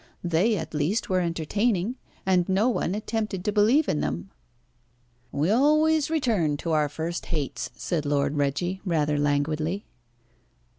They at least were entertaining, and no one attempted to believe in them." "We always return to our first hates," said Lord Reggie, rather languidly.